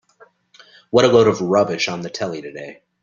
What a load of rubbish on the telly today.